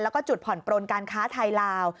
แล้วก็จุดผ่อนปลนการค้าไทยลาว